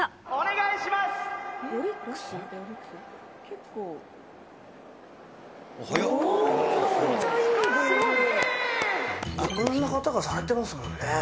いろんな方がされてますもんね。